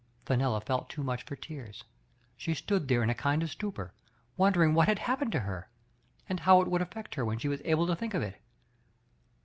Fenella felt too much for tears \^^ $lQo4 there in a kind of stuppr, wopdeHf^g what Had happened to her> and how it w^uid ^&%\ |^f r when she was able to think of it.